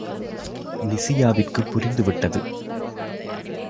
லிசியாவிற்கு புரிந்து விட்டது.